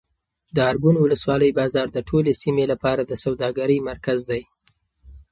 د ارګون ولسوالۍ بازار د ټولې سیمې لپاره د سوداګرۍ مرکز دی.